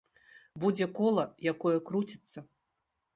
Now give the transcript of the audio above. Будзе кола, якое круціцца.